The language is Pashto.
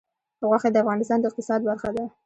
غوښې د افغانستان د اقتصاد برخه ده.